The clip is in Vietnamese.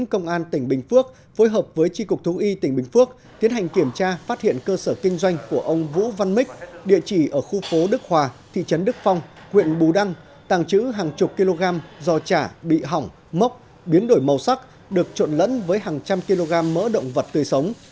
công an tỉnh bình phước phối hợp với tri cục thú y tỉnh bình phước tiến hành kiểm tra phát hiện cơ sở kinh doanh của ông vũ văn mích địa chỉ ở khu phố đức hòa thị trấn đức phong huyện bù đăng tàng trữ hàng chục kg giò chả bị hỏng mốc biến đổi màu sắc được trộn lẫn với hàng trăm kg mỡ động vật tươi sống